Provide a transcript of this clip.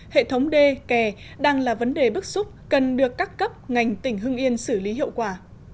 hệ thống đê kè đang là vấn đề bức xúc cần được các cấp ngành tỉnh hưng yên xử lý hiệu quả